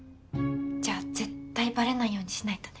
じゃあ絶対バレないようにしないとね。